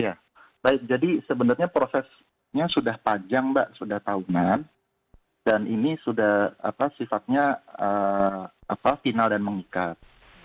ya baik jadi sebenarnya prosesnya sudah panjang mbak sudah tahunan dan ini sudah sifatnya final dan mengikat